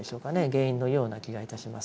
原因のような気がいたします。